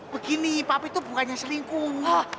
begini papi itu bukannya selingkuh